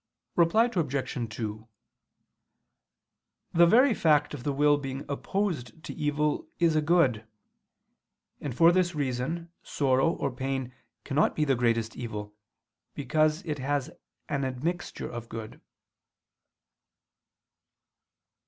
Reply Obj. 2: The very fact of the will being opposed to evil is a good. And for this reason, sorrow or pain cannot be the greatest evil; because it has an admixture of good.